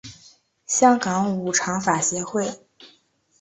香港五常法协会